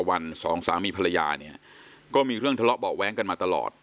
วันสองสามีภรรยาเนี่ยก็มีเรื่องทะเลาะเบาะแว้งกันมาตลอด